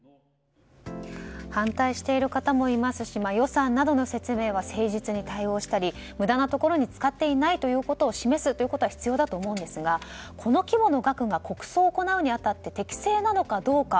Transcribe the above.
反対している方もいますし予算などの説明は誠実に対応したり無駄なところに使っていないということを示すということは必要だと思うんですがこの規模の額が国葬を行うに当たって適正なのかどうか。